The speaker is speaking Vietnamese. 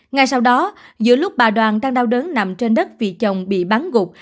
ngay sau đó giữa lúc bà đoàn đang đau đớn nằm trên đất vị chồng bị bắn gục